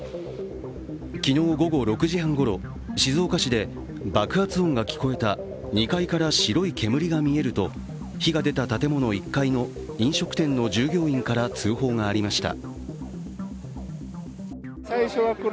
昨日午後６時ごろ、静岡市で爆発音が聞こえた、２階から白い煙が見えると、火が出た建物１階の飲食店の従業員から通報がありました。